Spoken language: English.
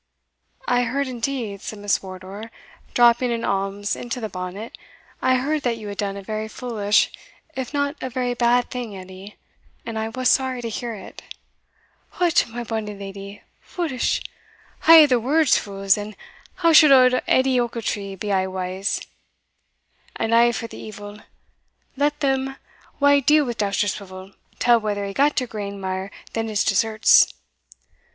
"I heard indeed," said Miss Wardour, dropping an alms into the bonnet "I heard that you had done a very foolish, if not a very bad thing, Edie and I was sorry to hear it." "Hout, my bonny leddy fulish? A' the world's fules and how should auld Edie Ochiltree be aye wise? And for the evil let them wha deal wi' Dousterswivel tell whether he gat a grain mair than his deserts."